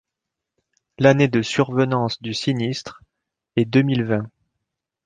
L’année de survenance du sinistre est deux-mille vingt.